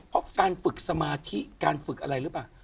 เพราะการฝึกสมาธิการฝึกอะไรหรือเปล่า